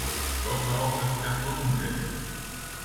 Dort war er auch als Gastronom tätig.